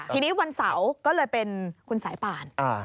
ทีนี้วันเสาร์ก็เลยเป็นคุณสายป่าน